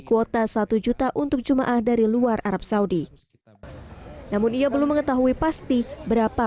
kuota satu juta untuk jemaah dari luar arab saudi namun ia belum mengetahui pasti berapa